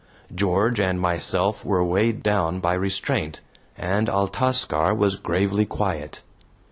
George and myself were weighed down by restraint, and Altascar was gravely quiet.